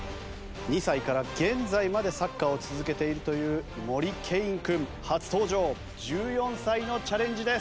２歳から現在までサッカーを続けているという森ケイン君初登場１４歳のチャレンジです。